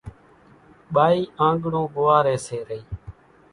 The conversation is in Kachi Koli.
ٻائِي آنڳڻون ٻوئاريَ سي رئِي